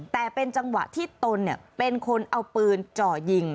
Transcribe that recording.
แต่เป็นจังหวะที่ตนเป็นคนเอาปืนเจาะยิง